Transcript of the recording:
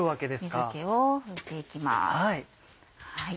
水気を拭いていきます。